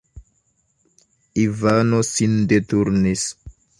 Ivano sin deturnis.